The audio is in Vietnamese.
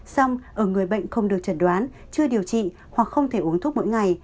xong ở người bệnh không được chẩn đoán chưa điều trị hoặc không thể uống thuốc mỗi ngày